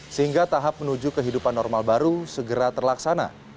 sehingga tahap menuju kehidupan normal baru segera terlaksana